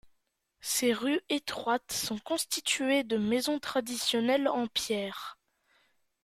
Ses rues étroites sont constituées de maisons traditionnelles en pierre.